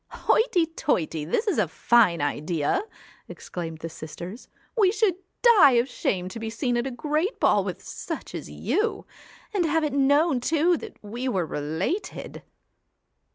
'Hoity toity! this is a fine idea!' exclaimed the sisters. ' We should die of shame to be seen at a great ball with such as you and have it known too that we were related.'